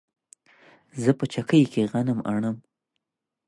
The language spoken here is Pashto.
زه په چکۍ کې غنم اڼم